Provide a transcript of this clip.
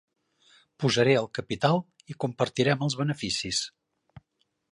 Posaré el capital i compartirem els beneficis.